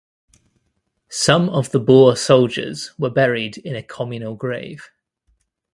Some of the Boer soldiers were buried in a communal grave.